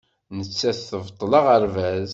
Nettat tebṭel aɣerbaz.